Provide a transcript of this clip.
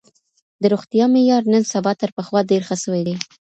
د روغتيا معيار نن سبا تر پخوا ډير ښه سوی دی.